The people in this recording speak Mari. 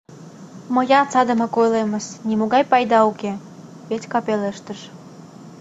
— Мыят садымак ойлемыс — нимогай пайда уке, — Петька пелештыш.